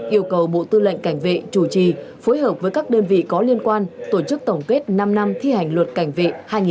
yêu cầu bộ tư lệnh cảnh vệ chủ trì phối hợp với các đơn vị có liên quan tổ chức tổng kết năm năm thi hành luật cảnh vệ hai nghìn một mươi chín